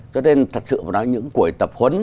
cho nên thật sự mà nói những cuội tập huấn